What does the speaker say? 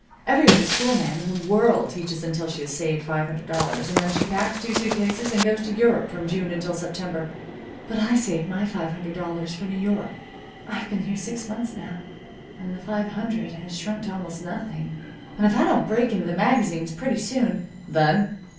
Every other school ma'am in the world teaches until she has saved five hundred dollars, and then she packs two suit cases, and goes to Europe from June until September. But I saved my five hundred for New York. I've been here six months now, and the five hundred has shrunk to almost nothing, and if I don't break into the magazines pretty soon " "Then?"